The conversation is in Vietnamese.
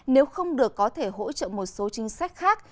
nếu không được có thể hỗ trợ một số chính sách khác